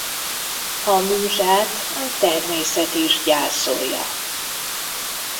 A múzsát a természet is gyászolja.